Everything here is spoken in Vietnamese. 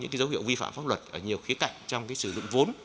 hữu hiệu vi phạm pháp luật ở nhiều khía cạnh trong cái sử dụng vốn